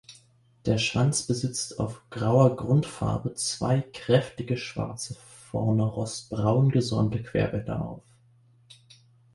Der Schwanz besitzt auf grauer Grundfarbe zwei kräftige schwarze, vorne rostbraun gesäumte Querbänder auf.